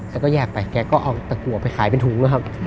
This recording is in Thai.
แล้วก็แยกไปแกก็เอาตะกัวไปขายเป็นถุงนะครับ